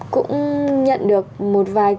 cũng nhận được một vài